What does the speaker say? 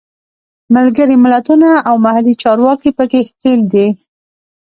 ملګري ملتونه او محلي چارواکي په کې ښکېل دي.